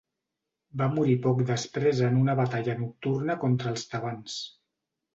Va morir poc després en una batalla nocturna contra els tebans.